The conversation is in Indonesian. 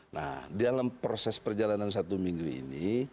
nah dalam proses perjalanan satu minggu ini